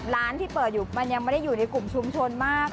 ร้านที่เปิดอยู่มันยังไม่ได้อยู่ในกลุ่มชุมชนมาก